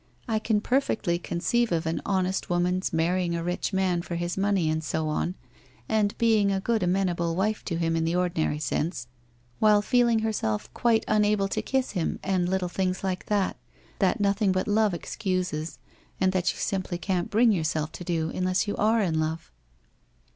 I can perfectly conceive of an honest woman's marrying a rich man for his money and so on, and being a good amenable wife to him in the ordinary sense, while feel ing herself quite unable to kiss him and little things like that that nothing but love excuses and that you simply can't bring yourself to do unless you arc in love.'